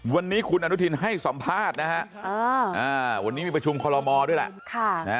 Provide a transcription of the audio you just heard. วันนี้คุณอนุทินให้สัมภาษณ์นะฮะวันนี้มีประชุมคอลโมด้วยแหละ